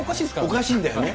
おかしいんだよね。